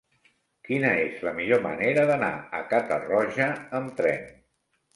Quina és la millor manera d'anar a Catarroja amb tren?